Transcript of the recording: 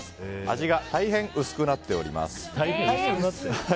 味が大変、薄くなっております。